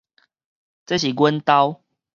這是阮兜